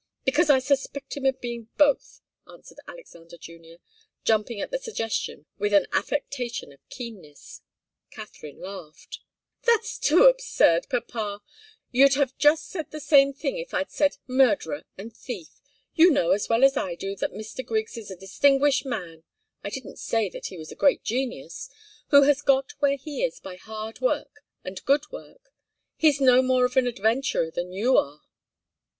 "Because I suspect him of being both," answered Alexander Junior, jumping at the suggestion with an affectation of keenness. Katharine laughed. "That's too absurd, papa! You'd have said just the same thing if I'd said 'murderer' and 'thief.' You know as well as I do that Mr. Griggs is a distinguished man, I didn't say that he was a great genius, who has got where he is by hard work and good work. He's no more of an adventurer than you are."